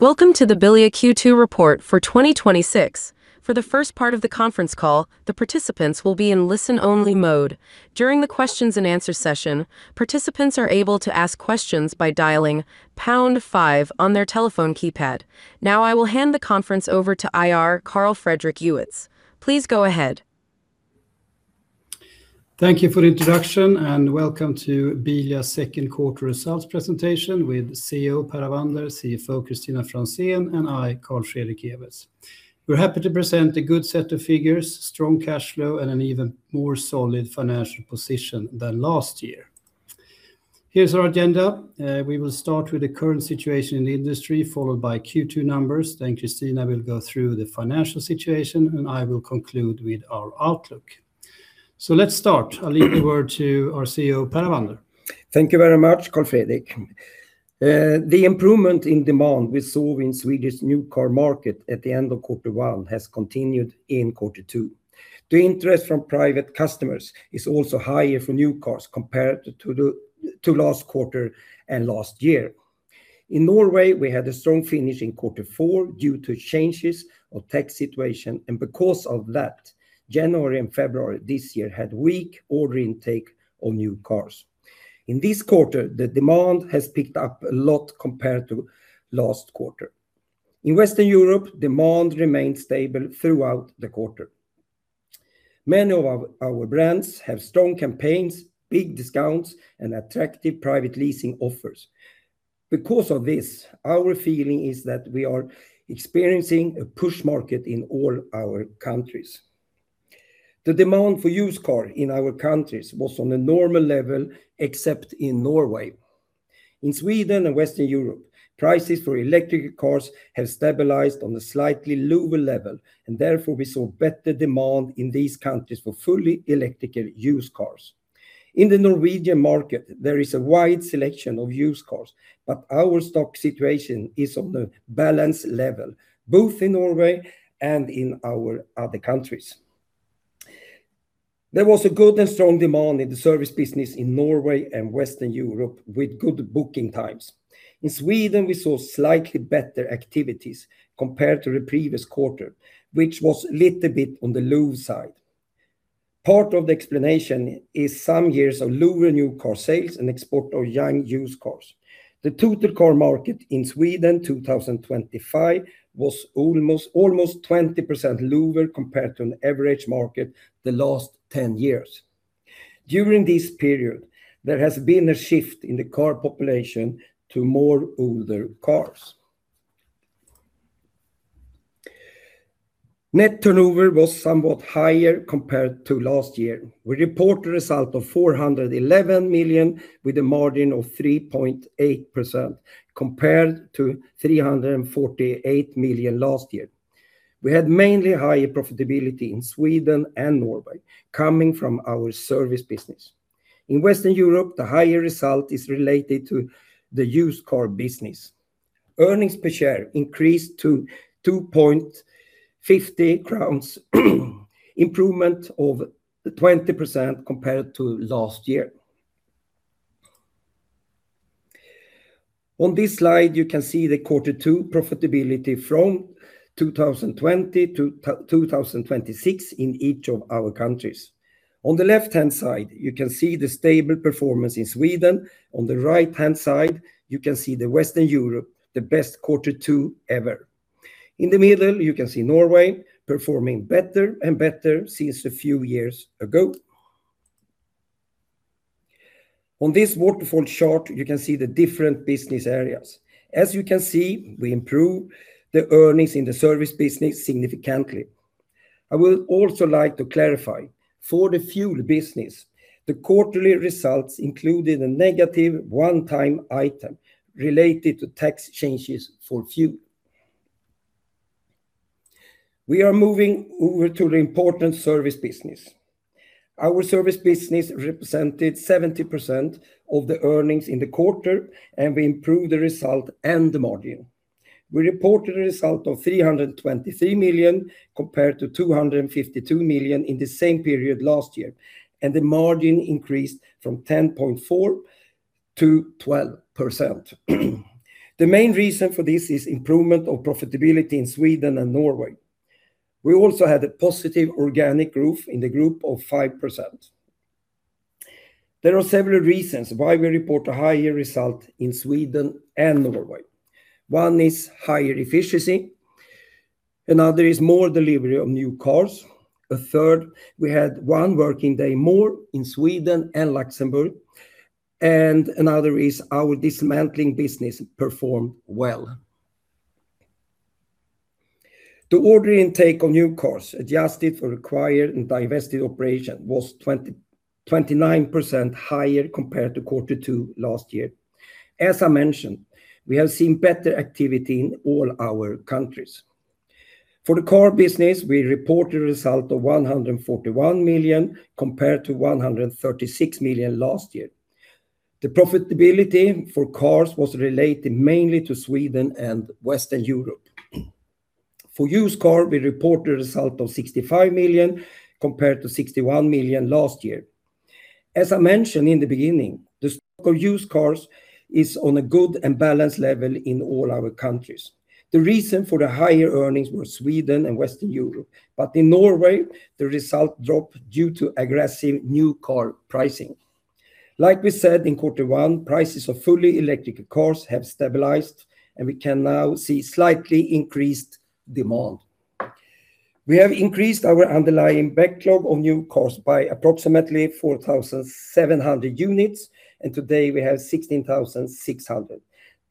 Welcome to the Bilia Q2 report for 2026. For the first part of the conference call, the participants will be in listen-only mode. During the questions and answer session, participants are able to ask questions by dialing pound five on their telephone keypad. I will hand the conference over to IR, Carl Fredrik Ewetz. Please go ahead. Thank you for the introduction and welcome to Bilia second quarter results presentation with CEO Per Avander, CFO Kristina Franzén and I, Carl Fredrik Ewetz. We're happy to present a good set of figures, strong cash flow, and an even more solid financial position than last year. Here's our agenda. We will start with the current situation in the industry, followed by Q2 numbers. Kristina will go through the financial situation and I will conclude with our outlook. Let's start. I'll leave the word to our CEO, Per. Thank you very much, Carl Fredrik. The improvement in demand we saw in Swedish new car market at the end of Q1 has continued in Q2. The interest from private customers is also higher for new cars compared to last quarter and last year. In Norway, we had a strong finish in Q4 due to changes of tax situation and because of that, January and February this year had weak order intake on new cars. In this quarter, the demand has picked up a lot compared to last quarter. In Western Europe, demand remained stable throughout the quarter. Many of our brands have strong campaigns, big discounts, and attractive private leasing offers. Because of this, our feeling is that we are experiencing a push market in all our countries. The demand for used car in our countries was on a normal level except in Norway. In Sweden and Western Europe, prices for electric cars have stabilized on a slightly lower level and therefore we saw better demand in these countries for fully electrical used cars. In the Norwegian market, there is a wide selection of used cars, but our stock situation is on a balanced level, both in Norway and in our other countries. There was a good and strong demand in the service business in Norway and Western Europe with good booking times. In Sweden, we saw slightly better activities compared to the previous quarter, which was a little bit on the low side. Part of the explanation is some years of lower new car sales and export of young used cars. The total car market in Sweden 2025 was almost 20% lower compared to an average market the last 10 years. During this period, there has been a shift in the car population to more older cars. Net turnover was somewhat higher compared to last year. We report a result of 411 million, with a margin of 3.8% compared to 348 million last year. We had mainly higher profitability in Sweden and Norway coming from our service business. In Western Europe, the higher result is related to the used car business. Earnings per share increased to 2.50 crowns, improvement of 20% compared to last year. On this slide, you can see the Q2 profitability from 2020 to 2026 in each of our countries. On the left-hand side, you can see the stable performance in Sweden. On the right-hand side, you can see the Western Europe, the best Q2 ever. In the middle, you can see Norway performing better and better since a few years ago. On this waterfall chart, you can see the different business areas. As you can see, we improve the earnings in the service business significantly. I will also like to clarify, for the fuel business, the quarterly results included a negative one-time item related to tax changes for fuel. We are moving over to the important service business. Our service business represented 70% of the earnings in the quarter, and we improved the result and the margin. We reported a result of 323 million compared to 252 million in the same period last year, and the margin increased from 10.4% to 12%. The main reason for this is improvement of profitability in Sweden and Norway. We also had a positive organic growth in the group of 5%. There are several reasons why we report a higher result in Sweden and Norway. One is higher efficiency. Another is more delivery of new cars. A third, we had one working day more in Sweden and Luxembourg, and another is our dismantling business performed well. The order intake on new cars, adjusted for acquired and divested operation, was 29% higher compared to Q2 last year. As I mentioned, we have seen better activity in all our countries. For the car business, we report a result of 141 million compared to 136 million last year. The profitability for cars was related mainly to Sweden and Western Europe. For used car, we report the result of 65 million compared to 61 million last year. As I mentioned in the beginning, the stock of used cars is on a good and balanced level in all our countries. The reason for the higher earnings were Sweden and Western Europe, but in Norway, the result dropped due to aggressive new car pricing. Like we said, in quarter one, prices of fully electric cars have stabilized, and we can now see slightly increased demand. We have increased our underlying backlog of new cars by approximately 4,700 units, and today we have 16,600.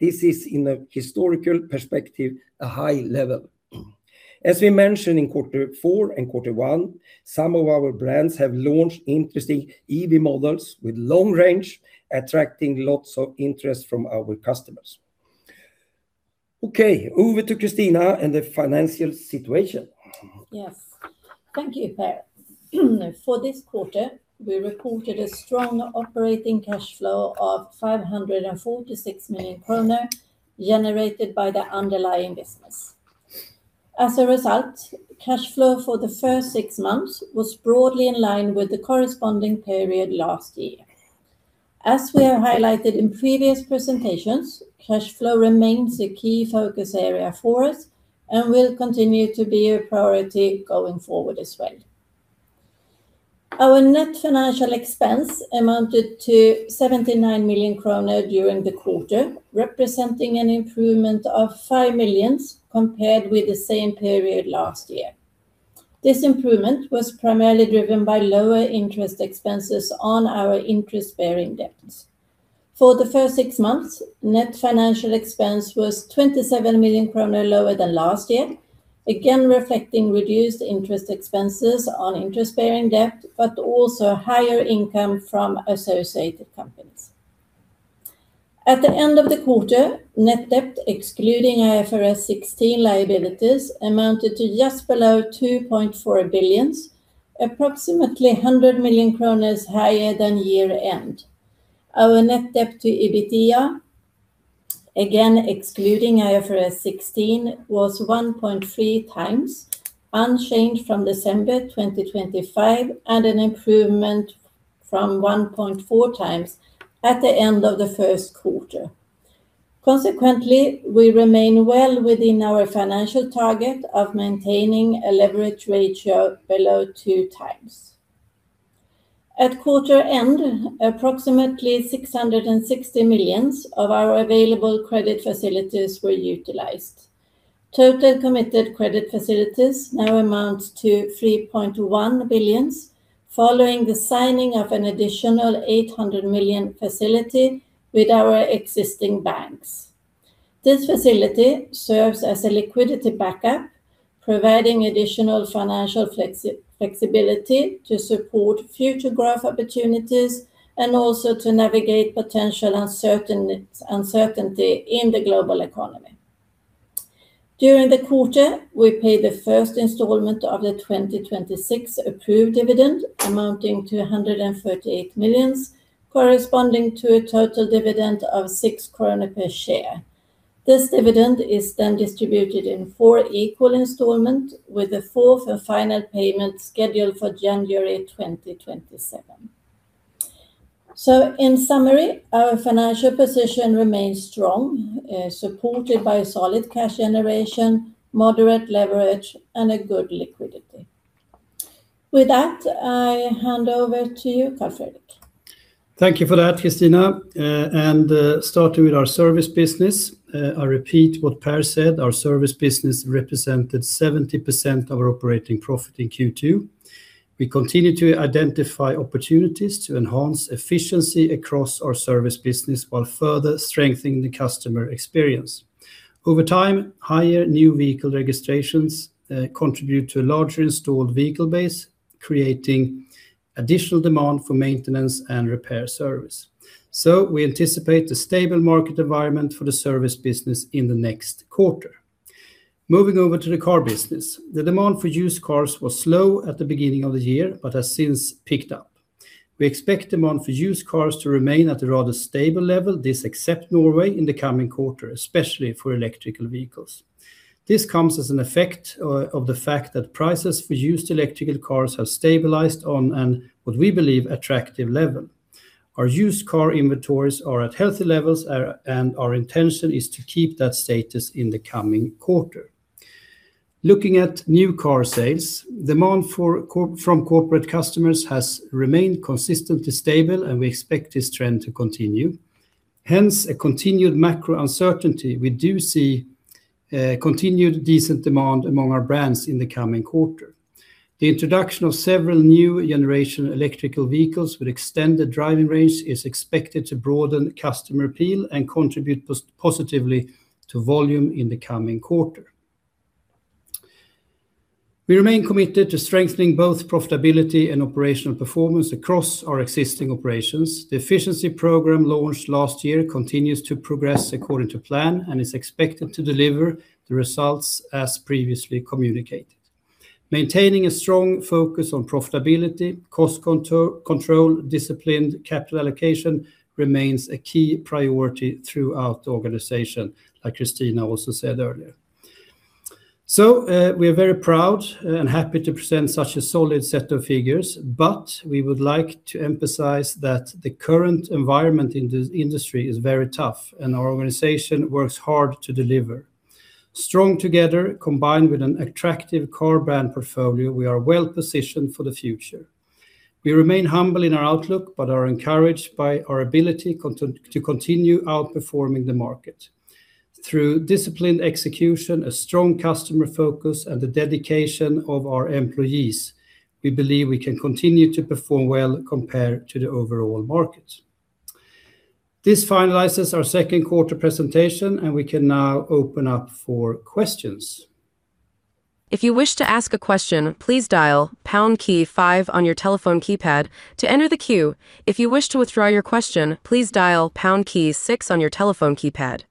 This is, in a historical perspective, a high level. As we mentioned in quarter four and quarter one, some of our brands have launched interesting EV models with long range, attracting lots of interest from our customers. Okay, over to Kristina and the financial situation. Yes. Thank you, Per. For this quarter, we reported a strong operating cash flow of 546 million kronor generated by the underlying business. As a result, cash flow for the first six months was broadly in line with the corresponding period last year. As we have highlighted in previous presentations, cash flow remains a key focus area for us and will continue to be a priority going forward as well. Our net financial expense amounted to 79 million kronor during the quarter, representing an improvement of 5 million compared with the same period last year. This improvement was primarily driven by lower interest expenses on our interest-bearing debts. For the first six months, net financial expense was 27 million kronor lower than last year, again reflecting reduced interest expenses on interest-bearing debt, but also higher income from associated companies. At the end of the quarter, net debt, excluding IFRS 16 liabilities, amounted to just below 2.4 billion, approximately 100 million kronor higher than year-end. Our net debt to EBITDA, again excluding IFRS 16, was 1.3x, unchanged from December 2025, and an improvement from 1.4x at the end of the first quarter. Consequently, we remain well within our financial target of maintaining a leverage ratio below 2x. At quarter end, approximately 660 million SEK of our available credit facilities were utilized. Total committed credit facilities now amount to 3.1 billion, following the signing of an additional 800 million facility with our existing banks. This facility serves as a liquidity backup, providing additional financial flexibility to support future growth opportunities and also to navigate potential uncertainty in the global economy. During the quarter, we paid the first installment of the 2026 approved dividend amounting to 138 million, corresponding to a total dividend of 6 krona per share. This dividend is distributed in four equal installments, with the fourth and final payment scheduled for January 2027. In summary, our financial position remains strong, supported by solid cash generation, moderate leverage, and a good liquidity. With that, I hand over to you, Carl Fredrik. Thank you for that, Kristina. Starting with our service business, I repeat what Per said. Our service business represented 70% of our operating profit in Q2. We continue to identify opportunities to enhance efficiency across our service business while further strengthening the customer experience. Over time, higher new vehicle registrations contribute to a larger installed vehicle base, creating additional demand for maintenance and repair service. We anticipate a stable market environment for the service business in the next quarter. Moving over to the car business. The demand for used cars was slow at the beginning of the year, but has since picked up. We expect demand for used cars to remain at a rather stable level, this except Norway, in the coming quarter, especially for electrical vehicles. This comes as an effect of the fact that prices for used electrical cars have stabilized on an, what we believe, attractive level. Our used car inventories are at healthy levels, and our intention is to keep that status in the coming quarter. Looking at new car sales, demand from corporate customers has remained consistently stable, and we expect this trend to continue. A continued macro uncertainty, we do see continued decent demand among our brands in the coming quarter. The introduction of several new-generation electrical vehicles with extended driving range is expected to broaden customer appeal and contribute positively to volume in the coming quarter. We remain committed to strengthening both profitability and operational performance across our existing operations. The efficiency program launched last year continues to progress according to plan and is expected to deliver the results as previously communicated. Maintaining a strong focus on profitability, cost control, disciplined capital allocation remains a key priority throughout the organization, like Kristina also said earlier. We're very proud and happy to present such a solid set of figures, but we would like to emphasize that the current environment in the industry is very tough, and our organization works hard to deliver. Strong together, combined with an attractive core brand portfolio, we are well-positioned for the future. We remain humble in our outlook but are encouraged by our ability to continue outperforming the market. Through disciplined execution, a strong customer focus, and the dedication of our employees, we believe we can continue to perform well compared to the overall market. This finalizes our second quarter presentation, and we can now open up for questions. If you wish to ask a question, please dial pound key five on your telephone keypad to enter the queue. If you wish to withdraw your question, please dial pound key six on your telephone keypad.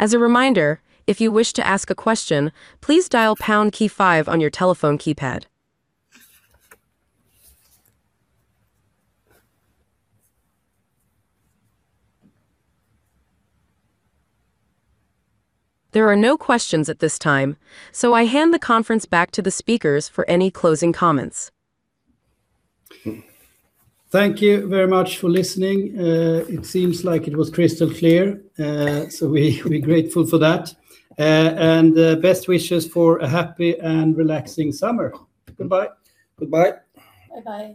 As a reminder, if you wish to ask a question, please dial pound key five on your telephone keypad. There are no questions at this time, so I hand the conference back to the speakers for any closing comments. Thank you very much for listening. It seems like it was crystal clear, so we're grateful for that. Best wishes for a happy and relaxing summer. Goodbye. Goodbye. Bye-bye